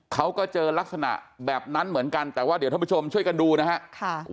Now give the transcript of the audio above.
เขาก็เจอลักษณะแบบนั้นเหมือนกันแต่ว่าเดี๋ยวท่านผู้ชมช่วยกันดูนะฮะ